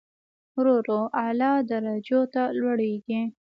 ورو ورو اعلی درجو ته لوړېږي.